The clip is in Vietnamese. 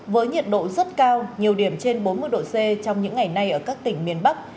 với nhiệt độ rất cao nhiều điểm trên bốn mươi độ c trong những ngày nay ở các tỉnh miền bắc